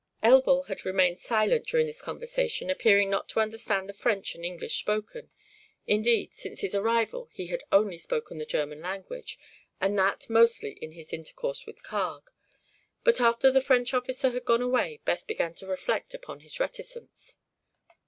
Elbl had remained silent during this conversation, appearing not to understand the French and English spoken. Indeed, since his arrival he had only spoken the German language, and that mostly in his intercourse with Carg. But after the French officer had gone away Beth began to reflect upon this reticence.